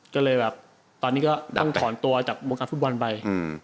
ก็เลยแบบตอนนี้ก็ต้องถอนตัวจากวงการฟุตบอลไป